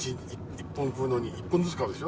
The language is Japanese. １本ずつ買うでしょ？